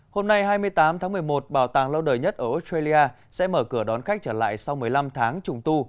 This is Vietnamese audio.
hôm nay hai mươi tám tháng một mươi một bảo tàng lâu đời nhất ở australia sẽ mở cửa đón khách trở lại sau một mươi năm tháng trùng tu